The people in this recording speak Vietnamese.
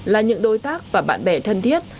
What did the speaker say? là những đối tác và bạn bè thân thiết